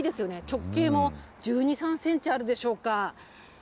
直径も１２、３センチあるでしょうか。